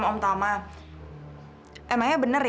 dan berpeatsu untuk menangkapi orang r entire kr internet